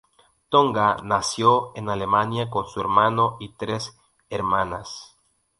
Tonga nació en Alemania con su hermano y tres hermanas.